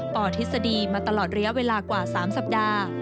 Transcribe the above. ปทฤษฎีมาตลอดระยะเวลากว่า๓สัปดาห์